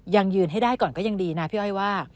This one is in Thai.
ยังยืนให้ได้ก่อนก็ยังดีนะพี่อ้อยว่า